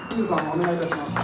お願いいたします。